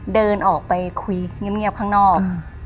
เดินออกไปคุยเงียบข้างนอก